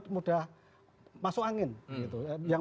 masuk angin yang